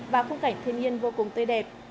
và khung cảnh thiên nhiên vô cùng tươi đẹp